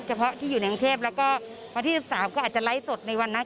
เฉพาะที่อยู่ในกรุงเทพแล้วก็วันที่๑๓ก็อาจจะไลฟ์สดในวันนั้น